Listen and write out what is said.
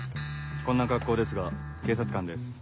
こんな格好ですが警察官です。